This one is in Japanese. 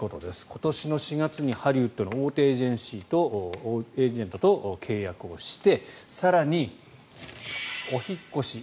今年の４月にハリウッドの大手エージェントと契約をして更に、お引っ越し。